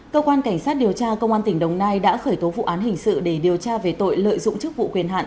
cơ quan cảnh sát điều tra công an tỉnh đồng nai đã khởi tố vụ án hình sự để điều tra về tội lợi dụng chức vụ quyền hạn